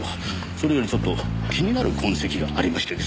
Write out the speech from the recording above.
それよりちょっと気になる痕跡がありましてですね。